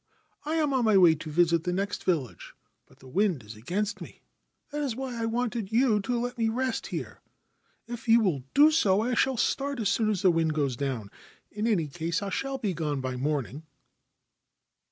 I am on my way to visit the next village ; but the wind is against me. That is why I wanted you to let me rest here. If you will do so I shall start as soon as the wind goes down ; in any case I shall be gone by the morning.'